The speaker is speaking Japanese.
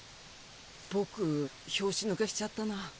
僕拍子抜けしちゃったな。